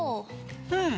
うん。